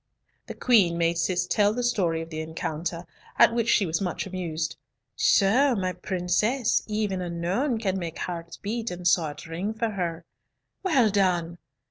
The Queen made Cis tell the story of the encounter, at which she was much amused. "So my princess, even unknown, can make hearts beat and swords ring for her. Well done!